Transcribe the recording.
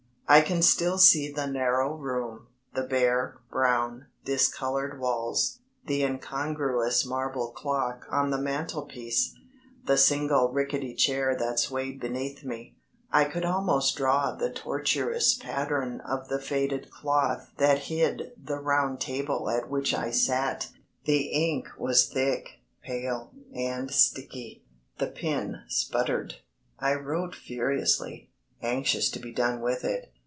I can still see the narrow room, the bare, brown, discoloured walls, the incongruous marble clock on the mantel piece, the single rickety chair that swayed beneath me. I could almost draw the tortuous pattern of the faded cloth that hid the round table at which I sat. The ink was thick, pale, and sticky; the pen spluttered. I wrote furiously, anxious to be done with it.